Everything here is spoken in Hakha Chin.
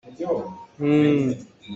Inncung cih ah canphio kan hman.